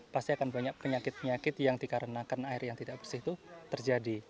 pasti akan banyak penyakit penyakit yang dikarenakan air yang tidak bersih itu terjadi